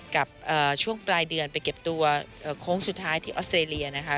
กับช่วงปลายเดือนไปเก็บตัวโค้งสุดท้ายที่ออสเตรเลียนะคะ